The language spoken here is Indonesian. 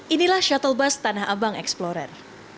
inilah shuttle bus tanah abang explorer